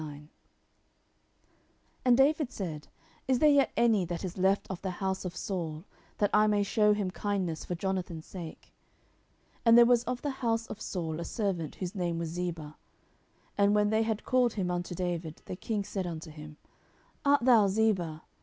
10:009:001 And David said, Is there yet any that is left of the house of Saul, that I may shew him kindness for Jonathan's sake? 10:009:002 And there was of the house of Saul a servant whose name was Ziba. And when they had called him unto David, the king said unto him, Art thou Ziba?